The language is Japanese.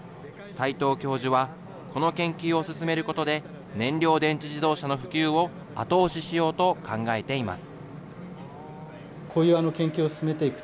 斎藤教授は、この研究を進めることで、燃料電池自動車の普及を後押ししようと考えています。